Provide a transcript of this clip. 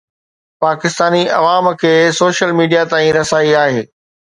پاڪستاني عوام کي social media تائين رسائي آهي